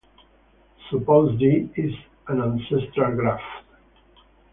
Suppose "G" is an ancestral graph.